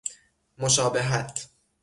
مشابهت